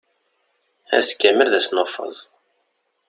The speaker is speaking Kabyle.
Ass kamel d asnuffeẓ.